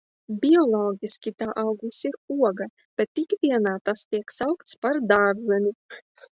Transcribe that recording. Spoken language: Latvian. Bioloģiski tā auglis ir oga, bet ikdienā tas tiek saukts par dārzeni.